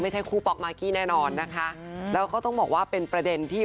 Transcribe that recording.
ไม่ใช่คู่ป๊อกมากกี้แน่นอนนะคะแล้วก็ต้องบอกว่าเป็นประเด็นที่